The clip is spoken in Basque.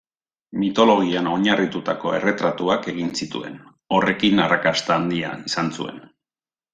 Mitologian oinarritutako erretratuak egin zituen; horrekin arrakasta handia izan zuen.